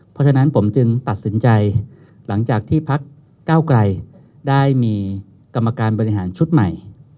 เพราะฉะนั้นผมจึงตัดสินใจหลังจากที่พักเก้าไกลได้มีกรรมการบริหารชุดใหม่